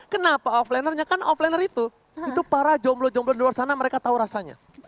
kenapa offlaner nya kan offlaner itu para jomblo jomblo di luar sana mereka tahu rasanya